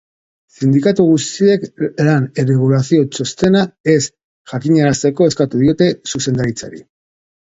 Sindikatu guztiek lan erregulazio-txostena ez jakinarazteko eskatu diote zuzendaritzari.